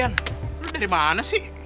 ian lo dari mana sih